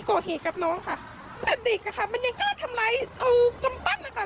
ก่อเหตุกับน้องค่ะแต่เด็กอ่ะค่ะมันยังกล้าทำร้ายเอากำปั้นนะคะ